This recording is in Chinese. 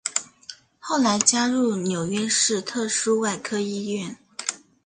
后来加入纽约市特殊外科医院。